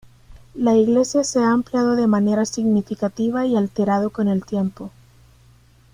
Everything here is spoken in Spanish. La iglesia se ha ampliado de manera significativa y alterado con el tiempo.